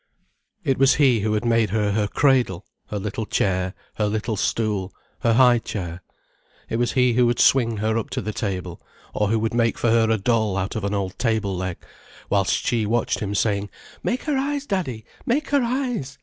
It was he who had made her her cradle, her little chair, her little stool, her high chair. It was he who would swing her up to table or who would make for her a doll out of an old table leg, whilst she watched him, saying: "Make her eyes, Daddy, make her eyes!"